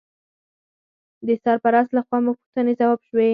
د سرپرست لخوا مو پوښتنې ځواب شوې.